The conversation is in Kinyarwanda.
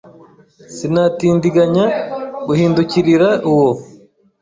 Sinatindiganya guhindukirira uwo